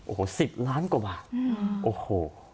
โอ้โห๑๐ล้านกว่าบาทโอ้โห